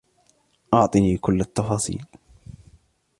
أعطني كل التفاصيل.